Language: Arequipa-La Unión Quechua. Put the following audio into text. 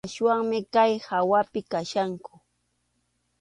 Aswanmi kay hawapi kachkanku.